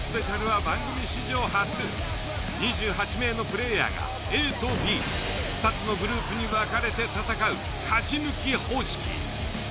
ＳＰは番組史上初２８名のプレイヤーがＡとＢ２つのグループに分かれて戦う勝ち抜き方式。